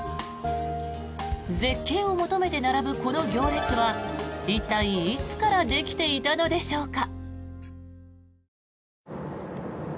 絶景を求めて並ぶこの行列は一体いつからできていたのでしょうか。